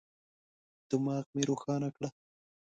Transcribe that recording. دماغ مي روښانه کړه.